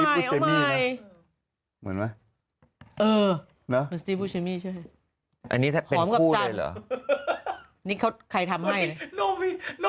เป็นตัวไม่ได้เอาใหม่เอาใหม่